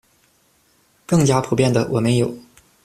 更加普遍地，我们有